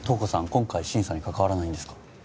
今回審査に関わらないんですか？